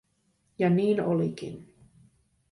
Ja niin olikin.